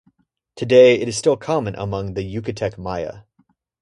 Today, it is still common among the Yucatec Maya.